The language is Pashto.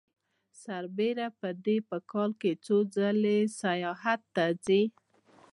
سربېره پر دې په کال کې څو ځلې سیاحت ته ځي